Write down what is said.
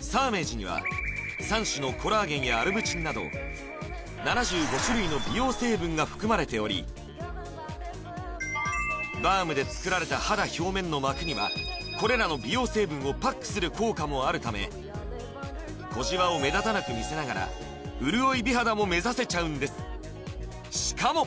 サーメージには３種のコラーゲンやアルブチンなど７５種類の美容成分が含まれておりバームで作られた肌表面の膜にはこれらの美容成分をパックする効果もあるため小じわを目立たなく見せながら潤い美肌も目指せちゃうんですしかも！